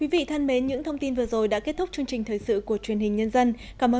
với sự tham gia đồng tâm của các nhà lãnh đạo